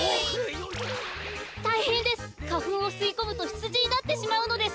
たいへんです！かふんをすいこむとひつじになってしまうのです！